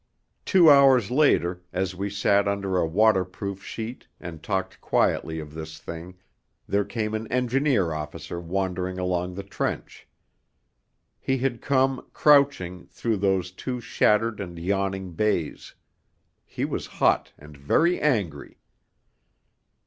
Two hours later, as we sat under a waterproof sheet and talked quietly of this thing, there came an engineer officer wandering along the trench. He had come, crouching, through those two shattered and yawning bays: he was hot and very angry.